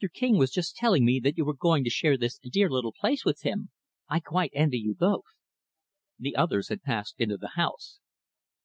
King was just telling me that you were going to share this dear little place with him. I quite envy you both." The others had passed into the house.